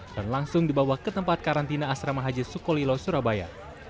dan langsung dibawa ke tempat karantina asrama haji sukolilo surabaya